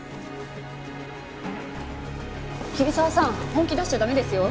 桐沢さん本気出しちゃ駄目ですよ。